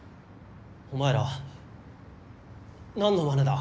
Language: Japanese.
お前ら何のまねだ？